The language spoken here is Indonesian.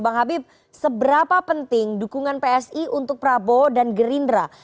bang habib seberapa penting dukungan psi untuk prabowo dan gerindra